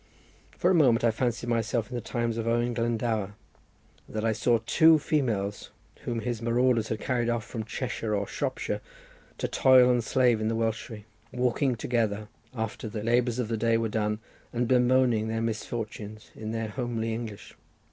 For a moment I fancied myself in the times of Owen Glendower, and that I saw two females, whom his marauders had carried off from Cheshire or Shropshire to toil and slave in the Welshery, walking together after the labours of the day were done, and bemoaning their misfortunes in their own homely English.